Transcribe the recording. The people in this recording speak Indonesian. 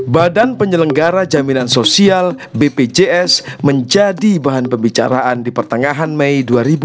badan penyelenggara jaminan sosial bpjs menjadi bahan pembicaraan di pertengahan mei dua ribu dua puluh